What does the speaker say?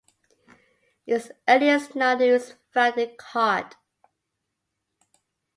Its earliest known use found in Cod.